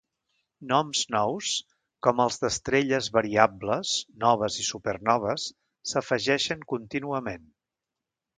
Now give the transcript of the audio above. Noms nous, com els d'estrelles variables, noves i supernoves, s'afegeixen contínuament.